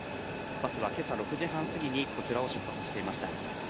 バスはけさ６時半過ぎにこちらを出発していました。